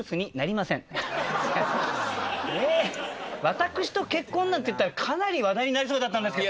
私と結婚なんていったらかなり話題になりそうだったんですけど。